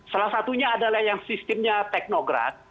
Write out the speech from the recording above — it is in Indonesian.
salah satunya adalah yang sistemnya teknograt